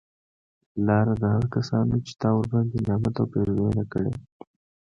لاره د هغه کسانو چې تا ورباندي نعمت او پیرزونه کړي